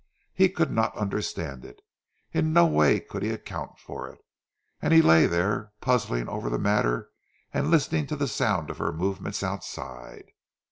He could not understand it; in no way could he account for it; and he lay there puzzling over the matter and listening to the sound of her movements outside.